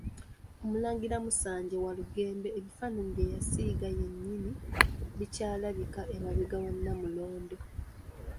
Omulangira Musanje Walugembe ebifaananyi bye yasiiga yennyini bikyalabika emabega wa Nnamulondo.